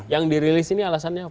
yang dirilis ini alasannya apa